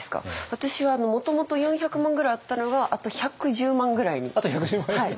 私はもともと４００万ぐらいあったのがあと１１０万ぐらいに。